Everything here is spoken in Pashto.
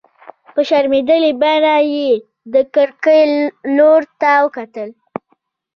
په شرمېدلې بڼه يې د کړکۍ لور ته وکتل.